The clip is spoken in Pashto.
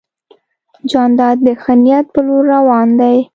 جانداد د ښه نیت په لور روان دی.